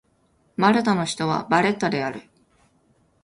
マルタの首都はバレッタである